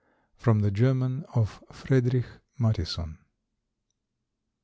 (_From the German of Fredrich Matthison.